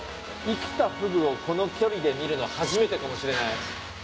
生きたフグをこの距離で見るの初めてかもしれない。